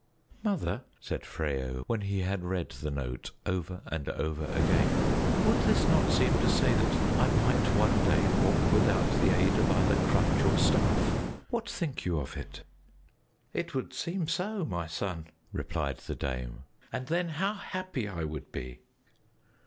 "Mother," said Freyo, when he had read the note over and over again, "would this not seem to say that I might one day walk without the aid of either crutch or staff? What think you of it?" "It would seem so, my son," replied the dame, "and then how happy I would be!"